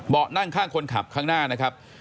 นั่งข้างคนขับข้างหน้านะครับ